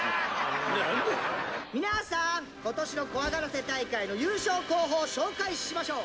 皆さん今年の怖がらせ大会の優勝候補を紹介しましょう。